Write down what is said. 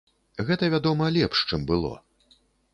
Гэта, вядома, лепш, чым было.